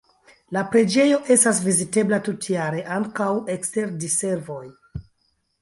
La preĝejo estas vizitebla tutjare, ankaŭ ekster diservoj.